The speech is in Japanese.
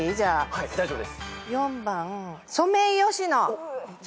はい大丈夫です。